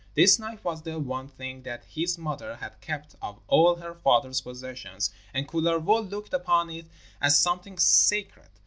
This knife was the one thing that his mother had kept of all her father's possessions, and Kullervo looked upon it as something sacred.